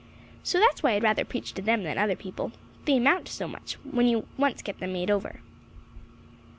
So that's why I'd rather preach to them than other people. They amount to so much when you once get them made over."